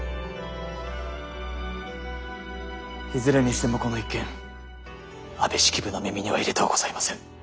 いずれにしてもこの一件安部式部の耳には入れとうございません。